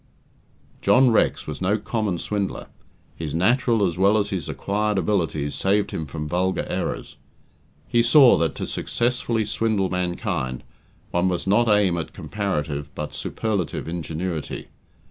John Rex was no common swindler; his natural as well as his acquired abilities saved him from vulgar errors. He saw that to successfully swindle mankind, one must not aim at comparative, but superlative, ingenuity.